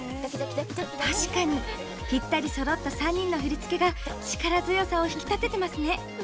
確かに、ぴったりそろった３人の振り付けが力強さを引き立ててますね！